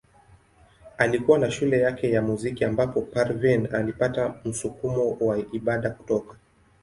Alikuwa na shule yake ya muziki ambapo Parveen alipata msukumo wa ibada kutoka.